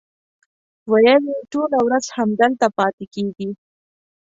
ویل یې ټوله ورځ همدلته پاتې کېږي.